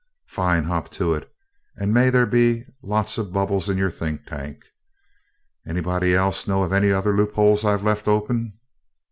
"Fine hop to it, and may there be lots of bubbles in your think tank. Anybody else know of any other loop holes I've left open?"